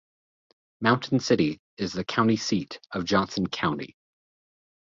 Mountain City is the county seat of Johnson County.